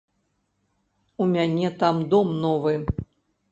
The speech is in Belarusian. У мяне там дом новы.